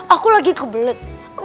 aku lagi kebelet